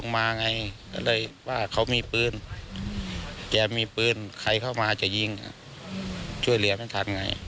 ไม่รู้ว่าใครเป็นอะไรนะ